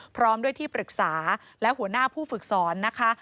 พร้อมด้วยที่ปรึกษาและหัวหน้าผู้ฝึกสอนนะคะ